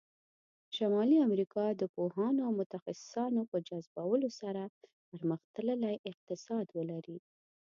شمالي امریکا د پوهانو او متخصصانو په جذبولو سره پرمختللی اقتصاد ولری.